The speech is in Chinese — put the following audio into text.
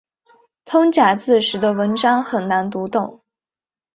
通假字使得文章很难读懂。